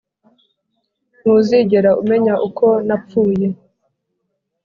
ntuzigera umenya uko napfuye!